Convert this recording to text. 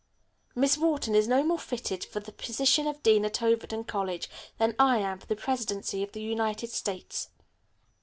"Miss Wharton is no more fitted for the position of dean at Overton College than I am for the presidency of the United States.